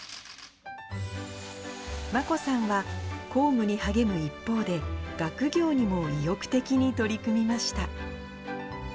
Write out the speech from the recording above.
眞子さんは公務に励む一方で、学業にも意欲的に取り組みました。